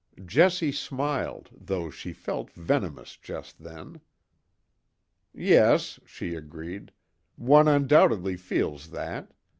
Jessie smiled, though she felt venomous just then. "Yes," she agreed; "one undoubtedly feels that.